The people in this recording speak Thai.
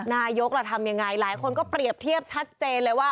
นายกล่ะทำยังไงหลายคนก็เปรียบเทียบชัดเจนเลยว่า